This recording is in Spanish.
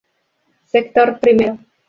Sector primario.